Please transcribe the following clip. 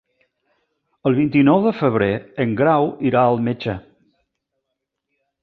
El vint-i-nou de febrer en Grau irà al metge.